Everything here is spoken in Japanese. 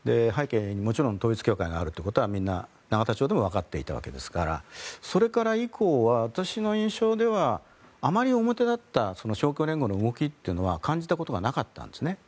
背景に、もちろん統一教会があるということはみんな、永田町でもわかっていたわけですからそれ以降は私の印象ではあまり表立った勝共連合の動きというのは感じたことがなかったんです。